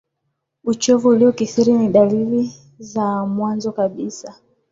uchovu uliyokithiri ni dalili za mwanzo kabisa